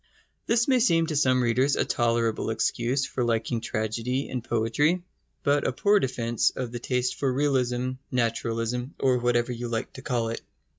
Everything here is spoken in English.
This may seem to some readers a tolerable excuse for liking tragedy and poetry, but a poor defence of the taste for realism, naturalism, or whatever you like to call it.